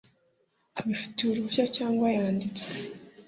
abifitiye uruhushya cyangwa yanditswe